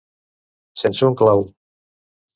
Sense un clau.